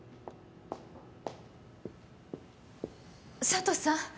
佐都さん